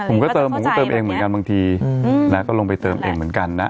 ผมก็เติมผมก็เติมเองเหมือนกันบางทีนะก็ลงไปเติมเองเหมือนกันนะ